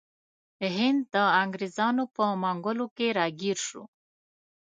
هند د انګریزانو په منګولو کې راګیر شو.